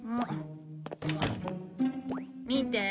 見て。